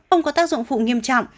không có tác dụng phụ nghiêm trọng